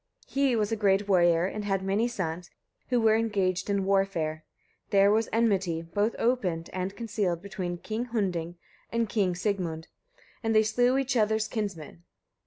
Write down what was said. He was a great warrior, and had many sons, who were engaged in warfare. There was enmity, both open and concealed, between King Hunding and King Sigmund, and they slew each other's kinsmen.